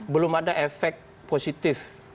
belum ada efek positif